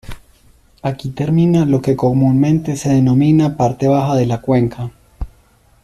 Aquí termina lo que comúnmente se denomina parte baja de la cuenca.